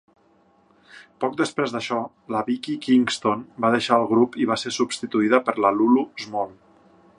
Poc després d'això, la Vicky Kingston va deixar el grup i va ser substituïda per la Lulu Small.